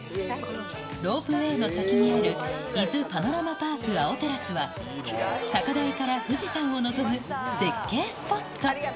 ロープウェイの先にある伊豆パノラマパーク碧テラスは、高台から富士山を望む絶景スポット。